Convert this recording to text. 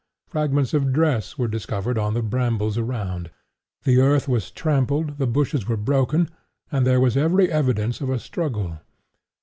Fragments of dress were discovered on the brambles around. The earth was trampled, the bushes were broken, and there was every evidence of a struggle.